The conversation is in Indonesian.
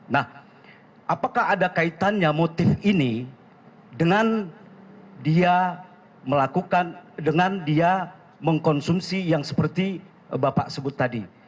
nah apakah ada kaitannya motif ini dengan dia melakukan dengan dia mengkonsumsi yang seperti bapak sebut tadi